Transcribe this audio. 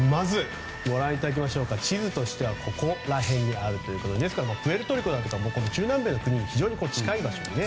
まず、地図としてはここら辺にあるということでですからプエルトリコだとか中南米の国に非常に近い場所ですね。